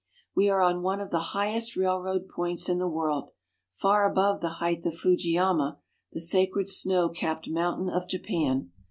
We are on one of the highest railroad points in the world, far above the height of Fujiyama, the sacred snow capped mountain of Japan.